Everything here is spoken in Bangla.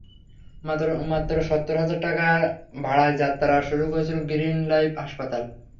মাত্র সত্তর হাজার টাকা ভাড়ায় যাত্রা শুরু করেছিল গ্রিন লাইফ হাসপাতাল।